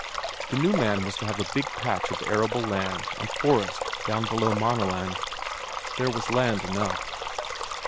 The new man was to have a big patch of arable land and forest down below Maaneland there was land enough.